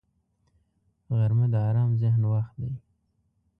غرمه د آرام ذهن وخت دی